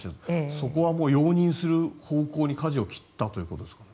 そこは容認する方向にかじを切ったということですか？